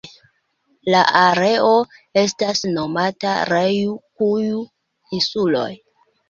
La areo estas nomata Rjukju-insuloj.